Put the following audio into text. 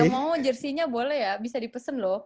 yang mau jersey nya boleh ya bisa dipesen loh